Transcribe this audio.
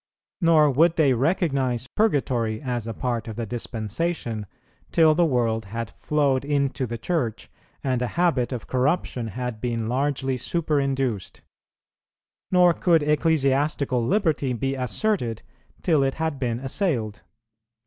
Nor would they recognize Purgatory as a part of the Dispensation, till the world had flowed into the Church, and a habit of corruption had been largely superinduced. Nor could ecclesiastical liberty be asserted, till it had been assailed.